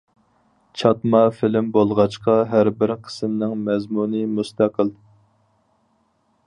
چاتما فىلىم بولغاچقا ھەر بىر قىسىمنىڭ مەزمۇنى مۇستەقىل.